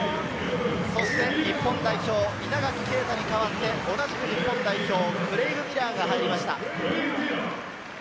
そして日本代表・稲垣啓太に代わって、同じく日本代表のクレイグ・ミラーが入ります。